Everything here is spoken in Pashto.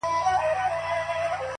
هوښیار فکر له بیړې ځان ساتي.!